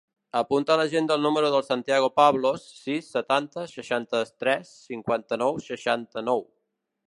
Apunta a l'agenda el número del Santiago Pablos: sis, setanta, seixanta-tres, cinquanta-nou, seixanta-nou.